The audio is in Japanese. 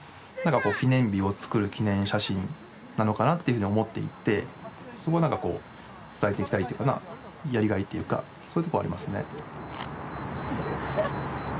記念日を作る記念写真なのかなっていうふうに思っていてそこをなんかこう伝えていきたいっていうかなやりがいっていうかそういうところありますね。